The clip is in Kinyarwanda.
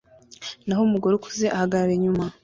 naho umugore ukuze ahagarara inyuma